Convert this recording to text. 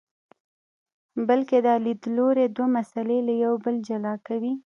بلکې دا لیدلوری دوه مسئلې له یو بل جلا کوي.